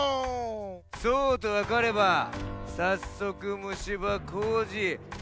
そうとわかればさっそくむしば工事はじめますよ！